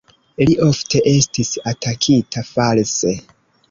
Li ofte estis atakita false.